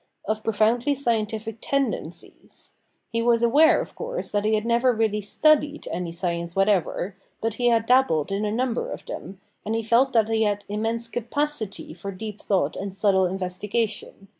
of profoundly scientific tendencies. He was aware, of course, that he had never really studied any science whatever; but he had dabbled in a number of them, and he felt that he had immense capacity for deep thought and subtle investigation.